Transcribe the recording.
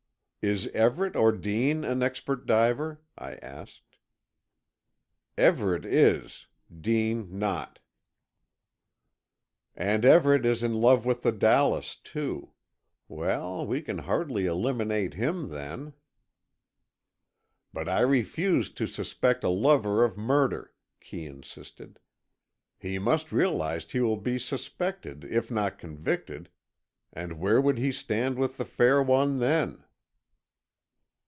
"Is Everett or Dean an expert diver?" I asked. "Everett is. Dean not." "And Everett is in love with the Dallas, too. Well, we can hardly eliminate him, then." "But I refuse to suspect a lover of murder," Kee insisted. "He must realize he will be suspected, if not convicted, and where would he stand with the fair one then?"